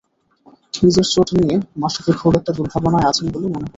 নিজের চোট নিয়ে মাশরাফি খুব একটা দুর্ভাবনায় আছেন বলে মনে হলো না।